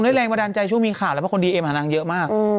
คงได้แรงประดานใจชั่วมีขาดแล้วคนดีเอ็มซ์หานางเยอะมาก